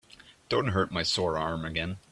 Don't hurt my sore arm again.